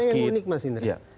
ada yang unik mas indra